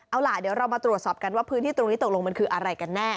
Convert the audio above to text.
เอาล่ะเดี๋ยวเรามาตรวจสอบกันว่าพื้นที่ตรงนี้ตกลงมันคืออะไรกันแน่